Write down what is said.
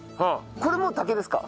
これもう竹ですか？